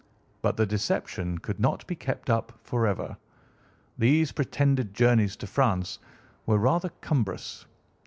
But the deception could not be kept up forever. These pretended journeys to France were rather cumbrous.